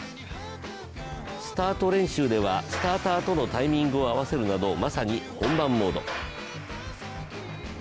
スタート練習ではスターターとのタイミングを合わせるなどまさに本番モード。